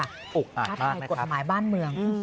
อุ๊คมากมากนะครับท้าทายกฎหมายบ้านเมือง